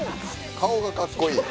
顔がかっこいい。